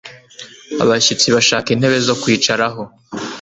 Abashyitsi Bashaka intebe zo kwicaraho.